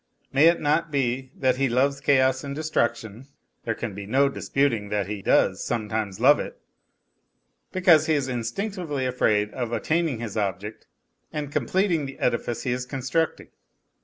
May it not be that he loves chaos and destruction (there au be no disputing that he NOTES FROM UNDERGROUND 75 does sometimes love it) because he is instinctively afraid of attaining his object and completing the edifice he is constructing